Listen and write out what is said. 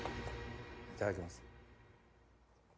いただきます。